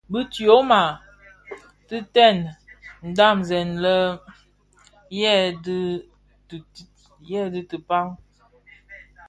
Bi tyoma tidëň dhasèn bè lè dhi bitaň.